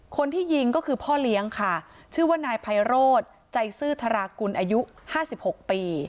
คนที่ยิงก็คือพ่อเลี้ยงค่ะชื่อว่านายไพโรธใจซื่อทรากุลอายุห้าสิบหกปี